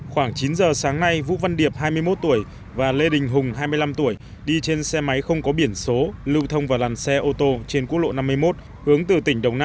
khoảng chín giờ sáng nay vũ văn điệp hai mươi một tuổi và lê đình hùng hai mươi năm tuổi đi trên xe máy không có biển số lưu thông vào làn xe ô tô trên quốc lộ năm mươi một